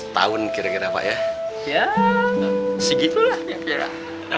lima belas tahun kira kira ya ya segitulah